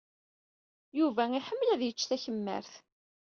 Yuba iḥemmel ad yečč takemmart.